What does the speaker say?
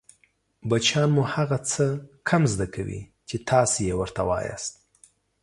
بچیان مو هغه څه کم زده کوي چې تاسې يې ورته وایاست